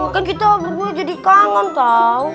kan kita berdua jadi kangen tau